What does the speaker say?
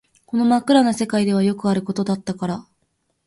この真っ暗な世界ではよくあることだったから